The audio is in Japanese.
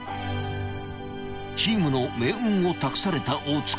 ［チームの命運を託された大塚］